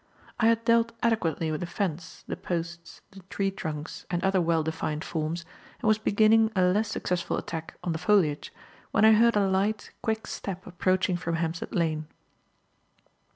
I had dealt adequately with the fence, the posts, the tree trunks and other well defined forms and was beginning a less successful attack on the foliage, when I heard a light, quick step approaching from Hampstead Lane.